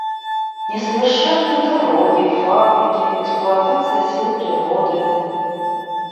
Несовершенны дороги, фабрики, эксплуатация сил природы.